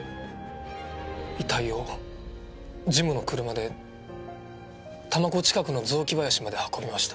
遺体をジムの車で多摩湖近くの雑木林まで運びました。